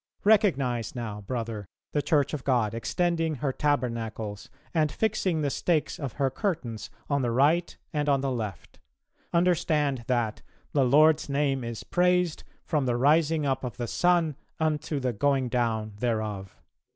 ... Recognize now, brother, the Church of God extending her tabernacles and fixing the stakes of her curtains on the right and on the left; understand that 'the Lord's name is praised from the rising up of the sun unto the going down thereof.'"